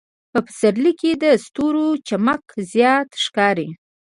په پسرلي کې د ستورو چمک زیات ښکاري.